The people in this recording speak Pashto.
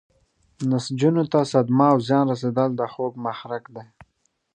نسجونو ته صدمه او زیان رسیدل د خوږ محرک دی.